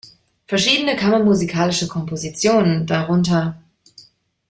Verschiedene kammermusikalische Kompositionen, darunter